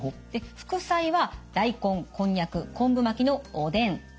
で副菜は大根こんにゃく昆布巻きのおでん。